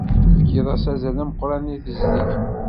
Tefkiḍ-as azal ameqran i tezdeg.